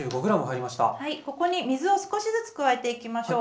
ここに水を少しずつ加えていきましょう。